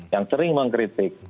yang sering mengkritik